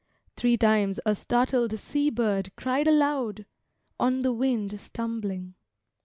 Three times a startled sea bird cried aloud, On the wind stumbling.